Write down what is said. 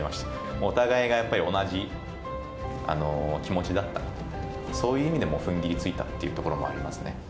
お互いがやっぱり同じ気持ちだったので、そういう意味でも踏ん切りついたってところもありますね。